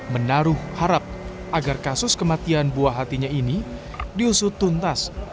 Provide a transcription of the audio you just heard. menaruh harap agar kasus kematian buah hatinya ini diusut tuntas